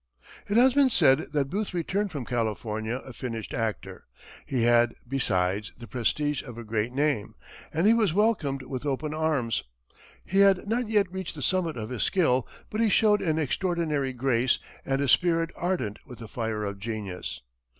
It has been said that Booth returned from California a finished actor. He had, besides, the prestige of a great name, and he was welcomed with open arms. He had not yet reached the summit of his skill, but he showed an extraordinary grace and "a spirit ardent with the fire of genius."